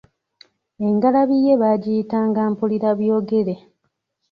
Engalabi ye baagiyitanga Mpulirabyogere.